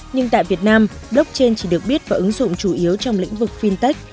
nhưng tại việt nam blockchain chỉ được biết và ứng dụng chủ yếu trong lĩnh vực fintech